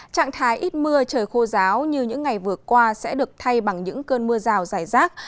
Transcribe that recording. trạng thái ít mưa trời khô ráo như những ngày vừa qua sẽ được thay bằng những cơn mưa rào dài rác